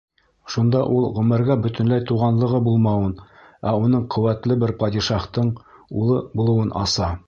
Шунда ул Ғүмәргә бөтөнләй туғанлығы булмауын, ә уның ҡеүәтле бер падишаһтың улы булыуын аса.